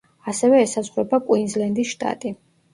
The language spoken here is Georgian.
ასევე ესაზღვრება კუინზლენდის შტატი.